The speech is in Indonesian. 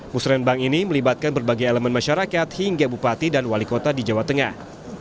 musrembang ini melibatkan berbagai elemen masyarakat hingga bupati dan wali kota di jawa tengah